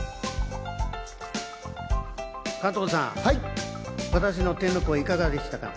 加藤さん、私の天の声、いかがでしたか？